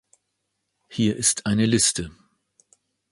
Hier ist eine Liste.